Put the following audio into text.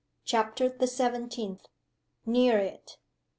CHAPTER THE SEVENTEENTH NEAR IT.